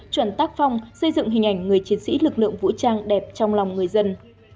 chuẩn tác phong xây dựng hình ảnh người chiến sĩ lực lượng vũ trang đẹp trong lòng người dân